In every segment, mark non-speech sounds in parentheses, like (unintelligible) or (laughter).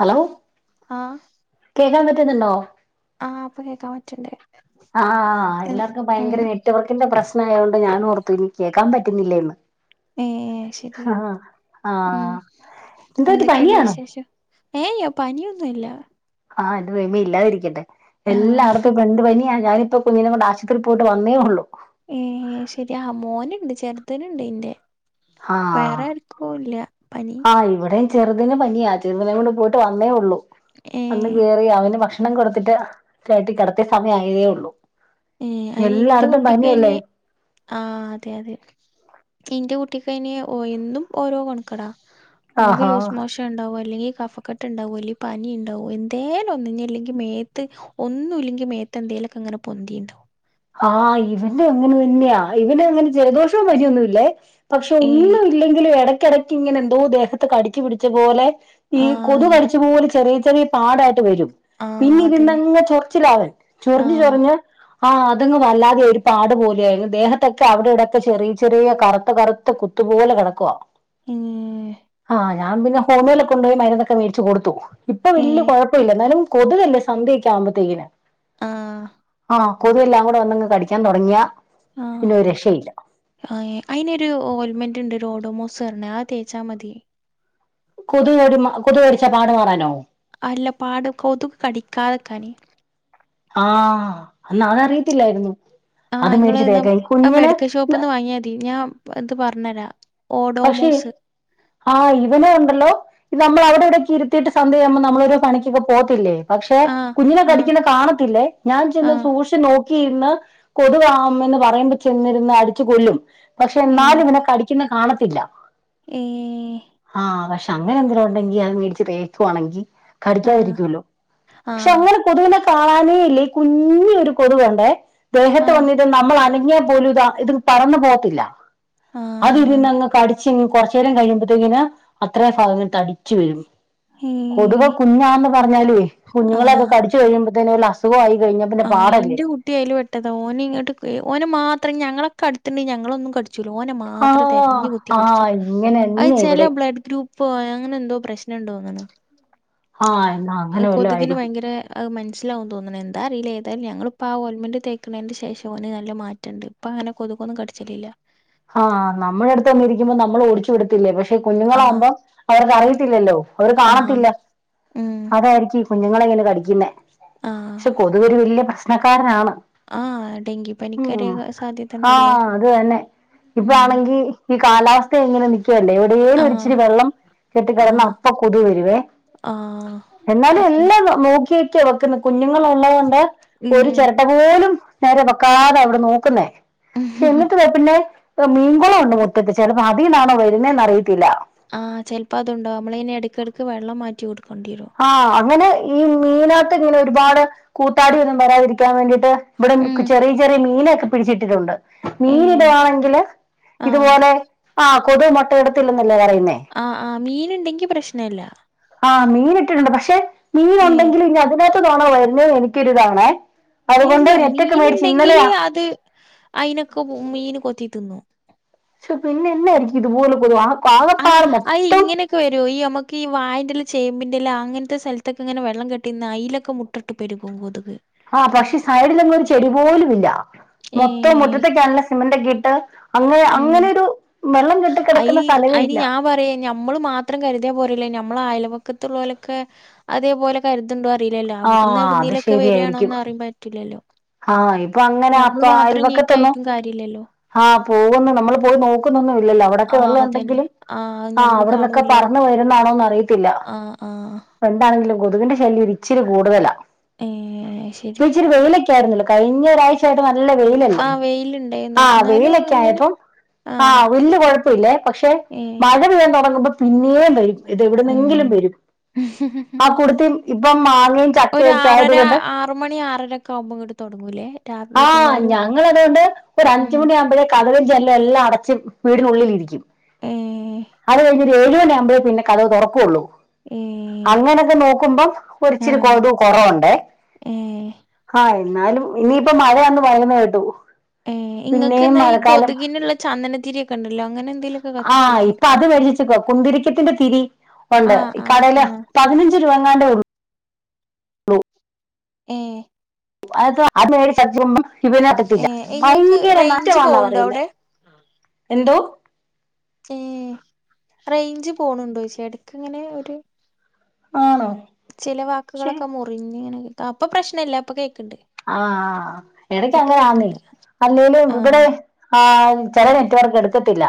Hello ആ കേക്കാൻ പറ്റുന്നുണ്ടോ? പറ്റ്ണ്ട് ആ എല്ലാർക്കും ഉം ഭയങ്കര നെറ്റ് വർക്കിന്റെ പ്രശ് നായോണ്ട് ഞാനോർത്തു ഇനി കേക്കാൻ പറ്റുന്നില്ലേന്ന് ഏ ശരി ആഹ് ഉം ആഹ് എന്ത് പറ്റി എന്തൊക്കെയുണ്ട് പനിയാണോ വിശേഷം? ഏയ് പനിയൊന്നുവില്ല ആ എന്റെ ദൈവമേ ഇല്ലാതിരിക്കട്ടെ എല്ലാടത്തും ഇപ്പണ്ട് പനി യാ ഞാനിപ്പോ കുഞ്ഞിനേം കൊണ്ട് ആശൂപത്രി പോയിട്ട് വന്നേ ഒള്ളൂ ഏ ശരിയാ മോനുണ്ട് ചെറുതിന്ണ്ട് ഇന്റെ ആഹ് വേറെ ആർക്കുല്ല പനി ആഹ് ഇവിടെയും ചെറുതിന് പനിയാ ചെറുതിനേം കൊണ്ട് പോയിട്ട് വന്നേ ഉള്ളു ഏ വന്ന് കേറി അവന് ഭക്ഷ ക്ഷണം കൊടുത്തിട്ട് ആ കേറ്റി കെടത്തി സമയായതേ ഉള്ളൂ ഏ അയിന് ഇന്റെ എല്ലായിടത്തും കുട്ടിക്കയിന് പനിയല്ലേ ആ അതെ അതെ എന്റെ കു ട്ടിക്കയിന് ഓ എന്നും ഓരോ കൊണക്കെടാ ഒന്നെങ്കി ആഹാ ലൂസ് മോഷൻ ഉണ്ടാവും അല്ലെങ്കിൽ കഫക്കെ ട്ടുണ്ടാവും അല്ലേ പനി ഇണ്ടാവും എന്തേലും ഒന്ന് ഇനി ഇല്ലെങ്കിൽ മേത്ത് ഒന്നുവില്ലെങ്കിൽ മേത്ത് എന്തെലൊക്കങ്ങനെ പൊന്തിണ്ടാ ആ ഇവന് അങ്ങനെ തന്നെയാ ഇവനങ്ങനെ ജലദോഷോം പനിയൊന്നുമില്ലേ പക്ഷെ ഏ ഒന്നും ഇല്ലെങ്കിലും എടക്കെടയ്ക്ക് ഇങ്ങനെ എന്തോ ദേഹത്ത് കടിച്ചു പിടിച്ച പോലെ ഈ കൊതു ആഹ് കടിച്ച പോലെ ചെറിയ ചെറിയ പാടായിട്ട് വരും ആഹ് പിന്നെ അതന്നെ ഇരുന്നങ്ങു ചൊറിച്ചിലാവൻ ആ ചൊറിഞ്ഞു ചൊറിഞ്ഞ് അ തങ്ങു വല്ലാതെയായി ഒരു പാട് പോലെയായി ന്ന്ട്ട് ദേഹത്തൊക്കെ അവിടെ ഇവിടൊക്കെ ചെറിയ ചെറിയ കറുത്ത കറുത്ത കുത്തുപോലെ കെടക്കുവാ ഉം, ആ ഞാൻ പിന്നെ ഹോമിയോലൊക്കെ കൊണ്ടോയി മരുന്നൊക്കെ മേടിച്ചു കൊടുത്തു ഇപ്പ ഏ വല്ല്യ കൊഴപ്പയില്ല എന്നാലും കൊതുകല്ലേ സന്ധ്യൊക്കെ ആവുമ്പത്തേക്കിന് ആ ആ കൊതുകെല്ലാം കൂടെ വന്നങ്ങു കടിക്കാൻ തൊടങ്ങിയാ ആ ആ അയിനൊരു ഓൽമെന്റ്ണ്ട് രോടൊമോസ് പറഞ്ഞെ അത്‌ തേച്ചാമതി കൊതുക്കടി കൊതുക്കടിച്ചാ പാടു മാറാനോ അല്ല പാട് കൊതുക് കടിക്കാതെക്കാനെ ആഹ് എന്നാ അത് അറിയിത്തില്ലായിരുന്നു ആഹ് ഇങ്ങള്ന്നാ ആ മെഡിക്കൽ ഷോപ്പ് നിന്ന് വാങ്ങിയാതി ഞാൻ ഇത് പറഞ്ഞരാ പക്ഷേ ആഹ് ഇവനെ ഉണ്ടല്ലോ നമ്മള് അവിടേടെക്കെ ഇരുത്തീട്ട് സന്ധ്യയാവുമ്പോ നമ്മളോരൊ പണിയ്ക്കക്കെ പോവത്തില്ലേ പക്ഷെ ആ കുഞ്ഞിനെ ആ കടിക്ക്ന്നെ കാണത്തില്ലേ ഞാൻ ആ ചെന്ന് സൂക്ഷിച്ച് നോ ക്കിരുന്നാ കൊതുവാ അമ്മെന്ന് പറയുമ്പ ചെന്നിരുന്ന് അടിച്ചു കൊല്ലും പക്ഷെ എന്നാലും ഇതിനെ കടിയ്ക്കിന്നെ കാണത്തില്ല ഏഹ് ആഹ് പക്ഷെ അങ്ങനെ എന്തരോ ഉണ്ടെങ്കില് അത് മേടിച്ച് തേക്കുവാണെങ്കി ആ കടിക്കാതിരിക്കുവല്ലോ ആ പക്ഷെ അങ്ങനെ കൊതുവിനെ കാാണാനേ ഇല്ല ഈ കുഞ്ഞി ഒരു കൊതുവുണ്ടെ ആ ദേഹത്ത് വന്നിട്ട് നമ്മളന ങ്ങിയാപോലുതാ ഇത് പറന്നു പോവത്തില്ല ആ അതിരുന്നങ്ങ് ച്ചി കൊറച്ചേരം കഴിയുമ്പത്തേക്കിന് അത്രയും ഭാഗങ്ങൾ തടിച്ചു വരും ഏ കൊതുക്കൊ കുഞ്ഞാന്ന് പറഞ്ഞാലെ ആ കുഞ്ഞുങ്ങളൊക്കെ കടിച്ചു കഴിയുമ്പത്തേന് വല്ല അസുഖൊ ആയി ആ ഇന്റെ കുട്ടി അയില് പെട്ടതാ ഓന് ഇങ്ങട്ട് ഓനെ മാത്രം ഞങ്ങളൊക്കെ അടുത്തിണ്ട് ഞങ്ങളൊന്നും കട് ച്ചൂല ഓനെ മാത്രം ആഹ് തെരഞ്ഞു കുത്തി ആഹ് കടിച്ചും ഇങ്ങനെ അത് തന്നെ ചെല ഇവിടെ ബ്ലഡ് ഗ്രൂ പ്പൊ അങ്ങനെ എന്തോ പ്രശ്നണ്ട് തോന്നണ് ആഹ് എന്നാ അത് അങ്ങനെ വല്ലോം കൊതുകിന് ആയിരിക്കും ഭയങ്കരെ അത് മനസിലാവും തോന്ന്ണ് എ എന്താ അറീല ഏതായാലും ഞങ്ങൾ ആ ഓൽമന്റ് തേക്കുന്നതിന്റെ ശേഷം ഓന് നല്ല മാറ്റണ്ട് ഇപ്പൊ അങ്ങനെ കൊതുക്കൊന്നും കടിച്ചലില്ല ആഹ് നമ്മുടെ അടുത്ത്ൊമ്മ ഇരിക്കുമ്പോൾ നമ്മൾ ഓടിച്ചുവിടും ല്ലേ പക്ഷെ ആഹ് കുഞ്ഞുങ്ങളാവകുമ്പം അവർക്ക്റിയത്തില്ലല്ലോ അവര് ആഹ് കാണത്തില്ല ഉം അതായിരിക്കും കുഞ്ഞുങ്ങളെ ഇങ്ങനെ കടിക്കുന്നേ ക്ഷെ കൊതു ഒരു വലിയ പ്രശ്നക്കാരനാണ് ആഹ ഡെങ്കി പനിക്ക്‌ അരെ ഉം സാധ്യതണ്ടല്ലോ ഇപ്പാണെങ്കി ഈ കാലാവസ്ഥ എങ്ങനെ നി ല്ലേ എവിടെേലും ആഹ് ഇച്ചിരി വെള്ളം കെട്ട കിടന്ന് ആഹ് അപ്പ കൊതുവ വരുവേ ആഹ് എന്നാലും അതന്നെ എല്ലാം നോക്കിട്ട് വെക്കുന്ന കുഞ്ഞുങ്ങളൾ ഉള്ളത് കൊണ്ട് ഒരു ഉം ചിരട്ട പോലും നേരെ വെക്കാതെ അവിടെ നോക്കുന്നേ പക്ഷെ എങ്ങൾക്ക് പിന്നെ മീൻകുളംുണ്ട് ഇത് മുറ്റ ത്ത് ചിലപ്പോ അതിയിലാണോ വരുന്നന്ന്റിയ ആഹ് ചെലപ്പ അതുണ്ടാവ നമ്മള ഇെ എടുക്കടക്ക് വെള്ളം മാറ്റി കൊടുക്കും ആ അങ്ങനെ ഈ മീനാത്ത് ഇങ്ങനെ ഒരുപാട് കൂത്താടി ഒന്നും വരാതിരിക്കാൻ ൻ വേണ്ടിട്ട് ഇവിടെ ഉം ചെറിയ ചെറിയ മീനൊക്കെ പിടിച്ചിട്ടിട്ടുണ്ട് മീനി ഏഹ് ടവാണെങ്കില് ആഹ് ഇതുപോലെ ആ് കൊതു മൊട്ടയിെടുത്തില്ലന്നല്ലേ പറയ ആ ആ മീൻ ണ്ടെങ്കി പ്രശ്നല്ല ആ മീൻ ഇട്ടിട്ടുണ്ട് പക്ഷെ മീൻ ഏഹ് ഉണ്ടെങ്കിൽ ഇനി അതിനകത്ത് തോണാൻ വരുന്ന എനിക്കൊരി ഇതാണേ അതുകൊണ്ട് ഇല്ല നെറ്റൊക്കെ മീൻ മേടിച്ച് ണ്ടെങ്കില് ഇന്നലെയാ അത് അയിനൊക്കെ മീന് കൊത്തി തിന്നു ശോ പിന്നെ എന്നാ യർക്കും ഇതുപോലെ കൊതുക് ആഹ അ ഇങ്ങനെയൊക്കെ വരുമോ ഈമുക്ക് വായന്റെ ലാ ചേമ്പിൻ്റെ ലാ അങ്ങനത്തെ സ്ഥലത്തക്കെങ്ങനെ വെള്ളംെട്ടി നിന്ന് അയിലൊക്കെ മുട്ടഇട്ട് പെരുകും കൊതുക് ആ പക്ഷെ സൈഡിലങ്ങും ഒരു ചെടി പോലും ഇല്ല മൊത്തം മുറ്റത്തേക്കാണുള്ള സിമന്ന്റെ കെ മ് വെള്ളം കെട്ടി അയി കിടക്കുന്ന സ്ഥലമേ അതിന് ഇല്ല ഞാൻ പറയാ ഞമ്മള് മാത്രം കരുത്യ പോരല്ല മ്മളെ അയൽവക്കത്തുലോളൊക്കെ അതേപോലെ കേരത്ണ്ടോ അറിയില്ലല്ലോ ആ അവിടുന്ന് അത് എടുന്നേലൊക്കെ ശരിയായിരിക്കും വരാനൊന്ന് അറിയാൻ പറ്റില്ലല്ലോ അപ്പൊ അങ്ങനാ ഞമ്മള് അപ്പൊ മാത്രം അയൽവക്കത്ന്നു നീറ്റായിട്ടും കാര്യല്ലല്ലോ ആഹ് പോകുന്നു നമ്മൾ പോയി നോക്കുന്നൊന്നും ഇല്ലല്ലോ അവിടൊക്കെ ആഹ് വെള്ളം അതന്നെ ഉണ്ടെങ്കിലും ആഹ് ഞമ്മള് അവിടെന്നൊക്കെ കാണൂല്ല പറഞ്ഞ വരുന്നാണോന്ന് ആഹ് ആഹ് അറിയത്തില്ലപ്പ എന്താണെങ്കിലും കൊതുവിന്റെ ശല്യം ഇച്ചിരി കൂടുതലാ ഏ ശരി ഇപ്പൊ ഇച്ചിരി വെയിലൊക്കെ കഴിഞ്ഞ ഒരാഴ്ച ആയിട്ട് നല്ല വെയിലല്ലേ ണ്ടയ്ന്നു ന്നാലും ഇങ്ങനെ ആഹ് വല്യ കൊഴപ്പലില്ലേ പക്ഷെ ഏഹ് മഴ പെയ്യാൻ തൊടങ്ങുമ്പൊ പിന്നേ വൈകു ഇത് ഉം എവിട്ന്നെങ്കിലും വരും ആ കുടുത്തി ഇപ്പൊ മാങ്ങിം ഒരു ചക്കയൊക്കെ ആയത് ആറര കൊണ്ട് ആറ് മണി ആറരൊക്കെ ആവുമ്പോ ഇങ്ങട്ട് തൊടങ്ങൂലേ രാ ആഹ് വൈകുന്നേരം ഞങ്ങളതോണ്ട് ഒര് ഉം അഞ്ച്മണി ആവുമ്പഴേ ക കതകും ജനലെല്ലാ അടച്ച് വീടിനുള്ളിലിരിക്കും ഏഹ് അത് കഴിഞ് ഏഴുവണി ആവുമ്പഴെ പിന്നെ കഥക് തൊറക്കൊള്ളൂ ഏഹ് അങ്ങനൊക്കെ നോക്കുമ്പം ഒരിച്ചിരി കൊതു കൊറവ്ണ്ടേ ഉം ന്നാലും ഇനിയിപ്പം മഴ ആന്ന് പറയുന്ന കേട്ടു പിന്നെയും ഇങ്ങക്ക്ന്നാ ഈ മഴക്കാലം കൊതുകിന്ള്ള ചന്നനത്തിരി ഒക്കെണ്ടല്ലൊ അങ്ങനെ എന്തേലൊക്കെ ആ കത്തിച് വെച്ചൂ ഇപ്പൊ അത് മേടിച്ചേക്കുവാ കുന്തിരിക്കത്തിന്റെ തിരി ഒണ്ട് ആഹ് ഇക്കടല ആഹ് പതിനഞ്ച് രൂപങ്ങാണ്ടെ ഉള്ളു ളു ഏഹ് അത അതേത് (unintelligible) ഇതിനകത്തില്ല ഏഹ് ഇങ്ങക്ക് ഭയങ്കര റേഞ്ച് നറ്റമാന്നാ പോവ്ണ്ടോ പറയ്ന്നെ അവിടെ എന്തോ ഏഹ് റെയ്ഞ്ച് പോണ് ണ്ടൊയ്ച എടക്ക്ങ്ങനെ ഒര് ആണോ ചില ശരി വാക്കുകളൊക്കെ മുറിഞ്ഞ്ങ്ങനെ ആഹ് ഇപ്പൊ പ്രശ്നല്ല ഇപ്പൊ കേ ആഹ് എടക്കങ്ങനെ ആന്നെ കേക്ക്ണ്ട് അല്ലേലും ആഹ് ഇവടെ ആഹ് ചെല നെറ്റ് വർക്ക് എട്ത്തിട്ടില്ല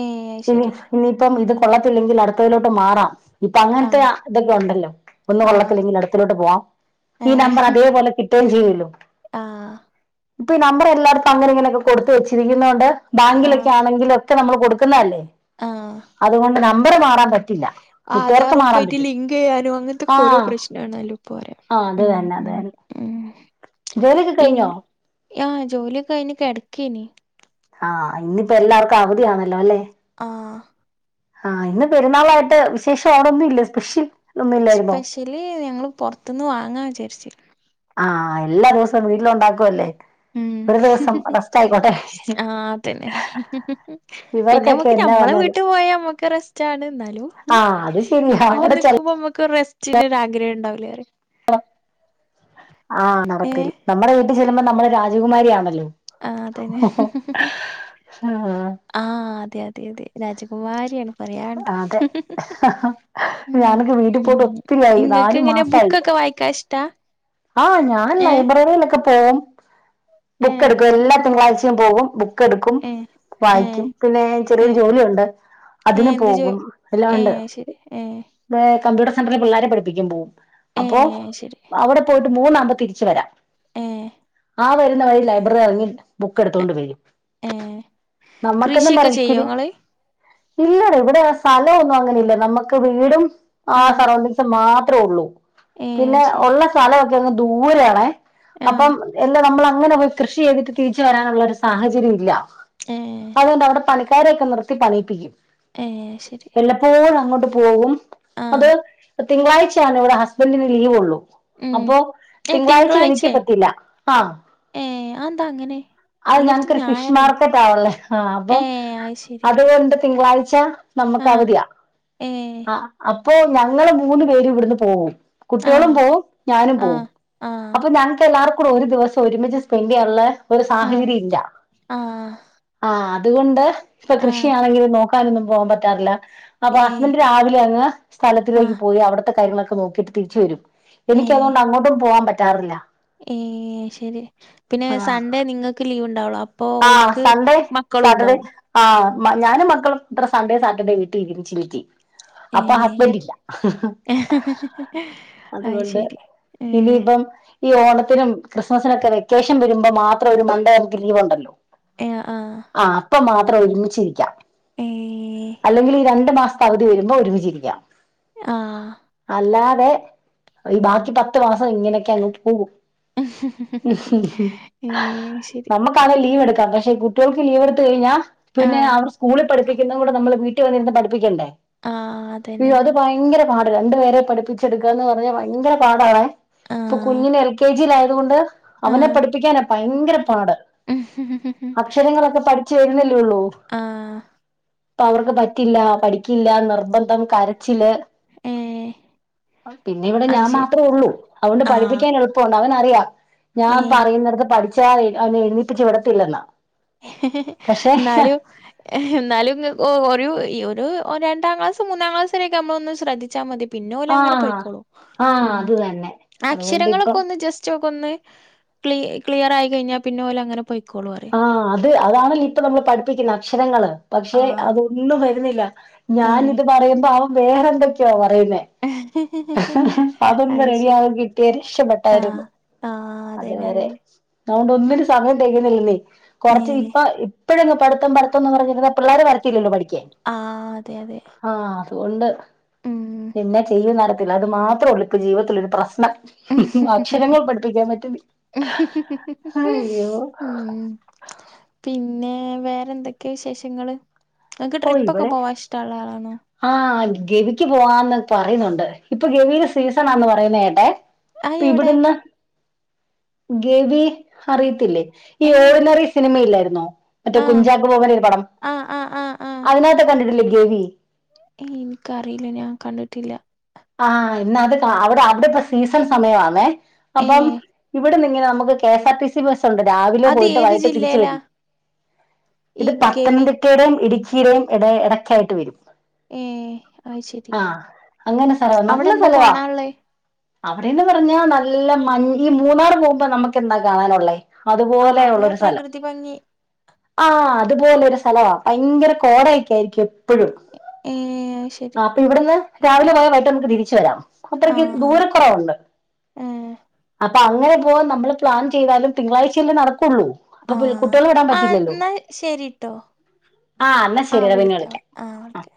ഏ ഇനി അയ്ശരി ഇനിയിപ്പം ഇത് കൊള്ളത്തില്ലെങ്കിൽ അടുത്തതിലോട്ട് മാറാം ഇപ്പൊ അങ്ങൻത്തെ ആഹ് ആ ഇതൊക്കെ ഒണ്ടല്ലൊ ഒന്ന് ആഹ് കൊള്ളത്തില്ലെങ്കിൽ അടുത്തലോട്ട് പോവാം ഏ ഈ നമ്പറ് അതേപോലെ കിട്ടുകയും ചിയ്യൂലൊ ആഹ് ഇപ്പൊ ഈ നമ്പർ എല്ലാട്ത്തും അങ്ങനെ ഇങ്ങനെയൊക്കെ കൊടുത്ത് വെച്ചിരിക്കുന്ന കൊണ്ട് ബാങ്കിലൊക്കെ ആഹ് ആണെങ്കിലൊക്കെ നമ്മള് കൊടുക്കുന്ന അല്ലെ ആഹ് അതുകൊണ്ട് നമ്പറ് മാറാൻ പറ്റില്ല നെറ്റ്വർക്ക് ആധാറൊക്കെ മാറാൻ ആയിട്ട് പറ്റും ലിങ്ക്യ്യാനും അങ്ങന് ത്തൊക്കോരോ ആഹ് പ്രശ്ണാണല്ലൊ ഇപ്പൊ ഉം ഉം ജോലിക്കെ കഴിഞ്ഞോ പിന്നെ ആഹ് ജോലിയൊക്കഴിഞ് കെടക്കേന് ആഹ് ഇന്നിപ്പോ എല്ലാർക്കു അവധിയാണല്ലൊ അല്ലെ ആഹ് ആഹ് ഇന്ന് പെരുന്നാളായിട്ട് വിശേഷം ഓണൊന്നുല്ലെ സ്പെഷ്യൽ ഒന്നും ഇല്ലായിരുന്നോ സ്പെഷ്യല് ഞങ്ങള് പൊറത്ത്ന്ന് വാങ്ങാ വിജാരിച്ചു ആഹ് എല്ലാ ദിവസൊ വീട്ടില് ഉണ്ടാക്കുവല്ലെ ഉം ആഹ് അതന്നെ പിന്നെ ഇവർക്കൊക്കെ നോക്കി എന്നാ ഞമ്മള പറഞ്ഞാല് വീട്ട് ട്ന്ന് പോയ മോക്ക് റെസ്റ്റാണ് ന്നാലും ആഹ് അത് ശരിയാ ഇവടെ അവിടെ ചെല്ല നിക്കുമ്പൊ മ്മ റസ്റ്റിനൊരാഗ്രഹംണ്ടാവുലെ അറ ആഹ് നടക്കില്ല ഏഹ് നമ്മ്ടെ വീട്ടി ചെല്ലുമ്പൊ നമ്മള് രാജകുമാരിയാണല്ലൊ ആഹ് അതെന്നെ ആഹ് അതെ അതായത് രാജകുമാരിണ് പറയാണ്ടൊ അതെ ഉം ഞാനൊക്കെ വീട്ടിൽ ഉം പോയിട്ട് ഒത്തിരിയായി ഇങ്ങക്ക് നാലു ഏങ്ങനെ മാസായി ബുക്കൊക്കെ പയ്ക്കഷ്ട ആഹ് ഞാൻ ലൈബ്രറീലൊക്കെ പോവും ഏഹ് ബുക്കെട്ക്കും എല്ലാ ബുക്കൊക്കെ വായി തിങ്കളാഴ്ചയും പോവും ബുക്ക് എടുക്കും ഏഹ് ഏഹ് വായിക്കും പിന്നേ ചെറിയൊരു ഏഹ് ജോലി അതിന് ഏഹ് എന്ത് ജോ പോകും എല്ലാണ്ട് ഏഹ് അത് ശരി ഏഹ് ഏ കമ്പ്യൂട്ടർ സെന്ററിൽ പിള്ളാരെ പഠപ്പിക്ക പോവും അപ്പൊ ഏഹ് അത് ശരി അവ്ടെ പോയിട്ട് മൂന്നാവുമ്പൊ തിരിച്ച് വരാ ഏഹ് ആഹ് വരുന്ന വഴി ലൈബ്രറി എറങ്ങി ബുക്ക് എട്ത്തോണ്ട് വരും ഏഹ് നമ്മക്കെന്നും കൃഷിയൊക്കെ ചെയ്യോ പറയ്ച്ചില് ഇങ്ങള് ഇല്ലടി ഇവിടെ ആ സ്ഥലവൊന്നും അങ്ങനെ ഇല്ല നമ്മക്ക് വീടും ആ ആഹ് സറൗണ്ടിസ് മാത്രൊ ഒള്ളു ഏഹ് പിന്നെ ശരി ഒള്ള സ്ഥലവൊക്കെ അങ്ങ് ദൂരയാണെ അപ്പം ആഹ് എല്ലാ നമ്മള അങനങ്ങ് കൃഷി ചെയ്തിട്ട് തിരിച്ചു വരാനുള്ള ഒരു സാഹചര്യം ഇല്ല ഏഹ് അതുകൊണ്ട് അവിടെ താരൊക്കെ നിർത്തി പണിയിപ്പിക്കും ഏഹ് ശരി വല്ലപ്പോഴും അങ്ങോട്ട് പോകും അത് ആഹ് തിങ്കളാഴ്ചയാണ് ഇവിടെ ഹസ്ബൻ്റിന് ലീവ് ഉള്ളു ഉം അപ്പൊ ഏഹ് തിങ്കളാഴ്ച എനിക്ക് തിങ്കളാഴ്ചേ പറ്റൂല്ല ആഹ് ഏഹ് അതെന്താ അങ്ങനെ അത് എല്ലോട്ത്തും ഞങ്ങക്കൊരു ഫിഷ് ഞായറല്ലേ മാർക്കറ്റാ ഉള്ളേ ആ അപ്പം ഏഹ് അത് ശരി അതുകൊണ്ട് തിങ്കളാഴ്ച നമുക്ക് ആഹ് അവധിയാ ഏഹ് ആ അപ്പൊ ഞങ്ങള് മൂന്നു പേരും ഇവിടുന്ന് പോവും ആഹ് കുട്ടികളും പോവും ഞാനും പോവും ആഹ് ആഹ് അപ്പൊ ഞങ്ങക്ക് എല്ലാർക്കൂടെ ഒരു ദിവസം ഒരുമിച്ച് സ്പെൻൻ്റ് ചെയ്യാനുള്ളെ ഒരു ആഹ് സാഹചര്യം ഇല്ല ആഹ് ആ അതുകൊണ്ട് ഇപ്പൊ ആഹ് കൃഷിയാണെങ്കിൽ നോക്കാനൊന്നും പോകൻ പറ്റാറില്ല അപ്പൊ ഏഹ് ഹസ്ബന്റ് രാവിലെ അങ്ങ് സ്ഥലത്തിലേക്ക് ആഹ് പോയി അവിടത്തെ കാര്യങ്ങളൊക്ക നോക്കിട്ട് തിച്ചച്ച് വരും എനിക്കതുകൊണ്ട് അങ്ങോട്ടും പോവാാൻ പറ്റാറില്ല ഏ ശെരി പിന്നെ ആ സൺഡേ നിങ്ങൾക്ക് ലീവ് ഉണ്ടാവളോ അ പ്പൊ ആ ഓൽക്ക് സൺഡേ മക്കളും സാറ്റർഡേ ഉണ്ടാവും ആ ഞാനും മക്കളും ഇത്ര സൺഡേ സാറ്റർഡേ വീട്ടിരിക്ക ശരിക്ക് അപ്പൊ ഏഹ് ഹസ്ബൻഡ് ഇല്ല അത് അതുകൊണ്ട് ശരി ഏഹ് ഇനിയിപ്പം ഈ ഓണ ത്തിനും ക്രിസ്മസിനൊക്കെ വെക്കേഷൻ വരുമ്പോൾ മാത്രം ഒരു മൺഡേ നമുക്ക് ലീവ് ഉണ്ടല്ലോ ഏ ആഹ് ആ അപ്പൊ മാത്രം ഒരുമിച്ചിരിക്കാം ഏഹ് അല്ലെങ്കിൽ ഈ രണ്ടു മാസത്തെ അവധി വരുമ്പോ ഒരുമിച്ചിരിക്കാം ആഹ് അല്ലാതെ ഈ ബാക്കി പത്ത് മാസം ഇങ്ങനെയൊക്കെ അങ്ങ് പോകും ഏ ശരി നമ്മുക്കാണെ ലീവ് എടുക്കാം പക്ഷെ കുട്ടികൾക്ക് ലീവ് എടുത്ത് കഴിഞ്ഞാൽ പിന്നെ ആഹ് അവർ സ്കൂളിൽ പഠിപ്പി ക്കുന്നത് നമ്മൾ വീട്ടിൽ വന്നിരുന്ന് പഠിപ്പിക്കണ്ടേ ആഹ് അതന്നെ അയ്യോ അത് അതന്നെ ഭയങ്കര പാ രണ്ടു പേരെ പഠിപ്പിച്ചെടുക്കാന്ന് പറഞ്ഞ ഭയങ്കര പാടണെ ഇപ്പൊ ആഹ് കുഞ്ഞിന് എൽ കെ ജിയിലായത് കൊണ്ട് അവനെ ആഹ് പഠിപ്പിക്കാനെ ഭയങ്കര പാട് ച്ച് വെരുന്നല്ലേള്ളൂ ആഹ് അവർക്ക് പറ്റില്ല പഠിക്കില്ല നിർബന്ധം കര ച്ചില് ഏഹ് പിന്നെ ഇവിടെ അത് ഞാൻ ശരി മാത്രേ ഉള്ളൂ അതുകൊണ്ട് ആഹ് പഠിപ്പിക്കാൻ എളുപ്പണ്ട് അവനറിയാം ഞാൻ ഏഹ് പറയുന്നിടത്ത് പഠിച്ചാതെ അവനെഎഴുന്നേപ്പിച്ചു വിടത്തില്ലെന്ന് പക്ഷെ എന്നാലും എന്നാലും ഒ ഒരു ഈ ഒരു രണ്ടാം ക്ലാസ് മൂന്നാംക്ലാസ് വരൊക്ക നമ്മൊ ഒന്ന് ശ്രദ്ധിച്ചൽ മതി പിന്നെ ഓലങ്ങനെ ആഹ് പോയിക്കോളും ആഹ് ഉം അത് തന്നെ അതുകൊണ്ട് അക്ഷരങ്ങളൊക്കെ ഇപ്പം ഒന്ന് ജസ്റ്റ് ഒക്കെ ഒന്ന് ക്ലി ക്ലിയർ ആയി കഴിഞ്ഞാൽ പിന്നെ ഓല് അങ്ങനെ പൊയിക്കോളൂ പറിം ത് അതാണല്ലോ ഇപ്പൊ നമ്മൾ പഠിപ്പിക്കുന്ന അക്ഷരങ്ങള് പക്ഷെ ആഹ് അതൊന്നും വരുന്നില്ല ഞാനിത് ഏഹ് പറയുമ്പോ അവൻ വേറെ എന്തൊക്കെയോ പറയുന്നേ അതൊന്ന് അത് ശരി റെഡിയായി കിട്ടിയ ആഹ് രക്ഷപ്പെട്ടായിരുന്നു ആഹ് അതന്നെ അതുവരെ അതന്നെ അതൊണ്ട് ഒന്നിനും സമയം തെകയുന്നില്ലന്നേ കൊറച്ച് ഏഹ് ഇപ്പൊ ഇപ്പഴങ്ങ് പഠിത്തം പഠിത്തംന്ന് പറഞ്ഞിരുന്നാ പിള്ളേര് വരത്തില്ലല്ലോ പഠിക്കാൻ ആഹ് അതെ അതെ ആഹ് അതുകൊണ്ട് ഉം നിന്നെ ചെയ്യും നട അത് മാത്രെ ഉള്ളൂ ഇപ്പം ജീവിതത്തില് ഒരു പ്രശ്നം അക്ഷരങ്ങൾ പഠിപ്പിക്കാൻ പറ്റുന്നില്ല അയ്യോ ഉം പിന്നെ വേറെ എന്തൊക്കെയാ വിശേഷങ്ങള് ഇങ്ങക്ക് ഓ ട്രിപ്പൊക്കെ ഇവിടെ പോവാൻ ഇഷ്ടള്ള ആളാണോ ആഹ് ഗവിക്ക് പോവാന്ന് പറയുന്നുണ്ട് ഇപ്പൊ ഗവില് സീസണാന്ന് പറയുന്നത് കേട്ടെ ആയ് ഇപ്പ എവിടെ ഇവിടുന്ന് ഗേവി അറിയത്തില്ലേ ഈ ഏ ഓർഡിനറി സിനിമയില്ലായിരുന്നോ മറ്റേ ആഹ് കുഞ്ചാക്കോ ബോബൻ്റെ ഒരു പടം ആഹ് ആഹ് ആഹ് ആഹ് അതിനകത്തൊക്കെ കണ്ടിട്ടില്ലേ ഗെവി എനിക്കറിയില്ല ഞാൻ കണ്ടിട്ടില്ല ആഹ് ഇന്ന അത് അവിടെ അവിടെ ഇപ്പം സീസൺ സമയ ആന്നേ ഏ അപ്പം ഇവിടെ ന എസ്ആർ ടി സ ണ്ട് രാവിലെ അത് പോയിട്ട് ഏത് വൈകട്ട് തിരിച്ചു വി ജില്ലയിലാ ഈ ഇത് ഗവി പത്തനംതിട്ടടെയും ഇടുക്കി ീരയും ഇട ഇടയ്ക്കായിട്ട് വരും ഏ ആ ശരി എങ്ങനെ ചെലവ അവിടെ നല്ല എന്താ ചെലവാ കാണാനുള്ളേ അവിടെന്ന് പറഞ്ഞാ നല്ല മഞ് ഈ മൂന്നാർ പോകുമ്പോ നമ്മുക്ക് എന്താ കാണാനള്ളേ ആ അതുപോലെ അവിടെ ഉള്ളൊരു സ്ഥലം പ്രകൃതി ഭംഗി ആ അതുപോലെ ഒരു സ്ഥലവാ ഭയങ്കര കോടയക്കെ ആയിരിക്കും എപ്പോഴും ഏ അയ് ശരി ആ അപ്പൊ ഇവിടുന്ന് രാവിലെ പോയ വായിട്ട് നമുക്ക് തിരിച്ചു വരാം അത്രയ്ക്ക് ആഹ് ആഹ് ദൂരക്കുറവുണ്ട് ഏ അപ്പൊ അങ്ങനെ പോക നമ്മൾ പ്ലാ ചെയ്താലും തിങ്കളാഴ്ചൽ നട ആഹ ആ എന്നാ ശരിട്ടോ ആ എന്നാ ആഹ ശരിയടാ പിന്നെ വിളിക്ക വിളിക്കാം ആഹ ആ ഓക്കെ